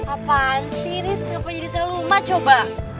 apaan sih riz apa jadi seluma coba